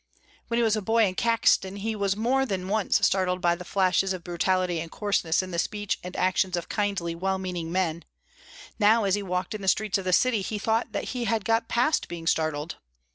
When he was a boy in Caxton he was more than once startled by the flashes of brutality and coarseness in the speech and actions of kindly, well meaning men; now as he walked in the streets of the city he thought that he had got past being startled.